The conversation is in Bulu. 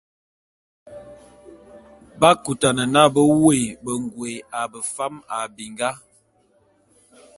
B'akutane n'a bé woé bengôé a befam a binga.